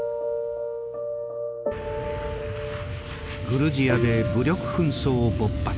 グルジアで武力紛争勃発。